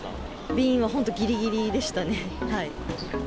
便は、本当ぎりぎりでしたね。